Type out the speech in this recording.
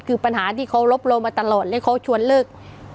คือปัญหาที่เขารบเรามาตลอดแล้วเขาชวนเลิก